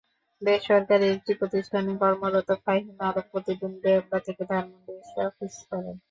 বেসরকারি একটি প্রতিষ্ঠানে কর্মরত ফাহিম আলম প্রতিদিন ডেমরা থেকে ধানমন্ডি এসে অফিস করেন।